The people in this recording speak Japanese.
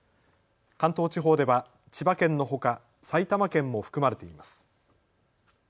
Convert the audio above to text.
関東地方では千葉県のほか埼玉県も含まれています。